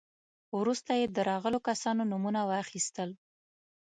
وروسته يې د راغلو کسانو نومونه واخيستل.